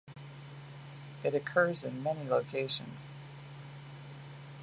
It occurs in many locations.